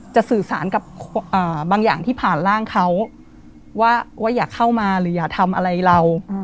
สื่อสารกับบางอย่างที่ผ่านร่างเขาว่าอย่าเข้ามาหรืออย่าทำอะไรเรา